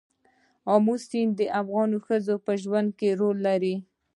آمو سیند د افغان ښځو په ژوند کې رول لري.